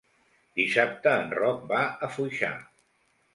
Dissabte en Roc va a Foixà.